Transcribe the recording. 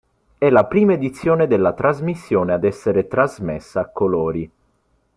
È la prima edizione della trasmissione ad essere trasmessa a colori.